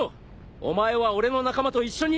お前は俺の仲間と一緒に逃げろ！